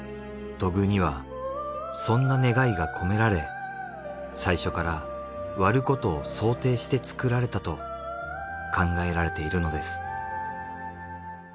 土偶にはそんな願いが込められ最初から割ることを想定して作られたと考えられているのです。